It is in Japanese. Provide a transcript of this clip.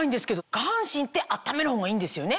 下半身ってあっためるほうがいいんですよね？